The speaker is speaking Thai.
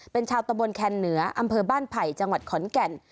เป็นชาวตะบนแคนเหนืออำเภอบ้านไผ่จังหวัดขอนแก่น